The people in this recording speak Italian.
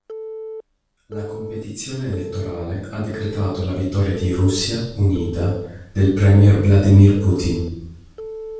La competizione elettorale ha decretato la vittoria di Russia Unita del premier Vladimir Putin.